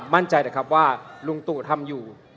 มั่นใจนะครับว่าลุงตู่ทำอยู่